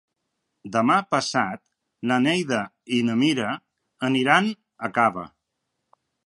Demà passat na Neida i na Mira aniran a Cava.